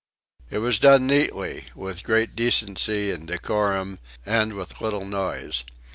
It was done neatly, with great decency and decorum, and with little noise.